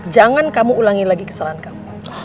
jangan kamu ulangi lagi kesalahan kamu